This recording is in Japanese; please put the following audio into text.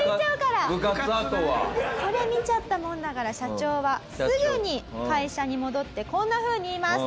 これ見ちゃったもんだから社長はすぐに会社に戻ってこんなふうに言います。